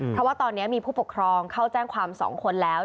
เพราะว่าตอนนี้มีผู้ปกครองเข้าแจ้งความ๒คนแล้ว